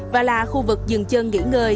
và là khu vực dừng chân nghỉ ngơi